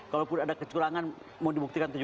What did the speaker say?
kalaupun ada kecurangan mau dibuktikan